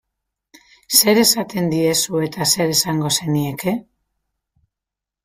Zer esaten diezu eta zer esango zenieke?